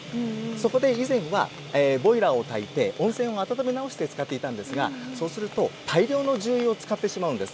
そこで以前はボイラーをたいて温泉を温め直して使っていたんですがそうすると大量の重油を使ってしまうんです。